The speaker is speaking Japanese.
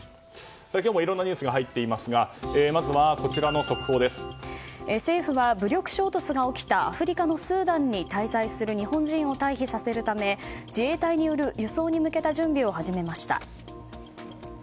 今日もいろんなニュースが入っていますが政府は武力衝突が起きたアフリカのスーダンに滞在する日本人を退避させるため自衛隊による移送の準備を始めました。